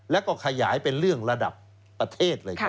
แล้วก็ขยายเป็นเรื่องระดับประเทศเลยครับ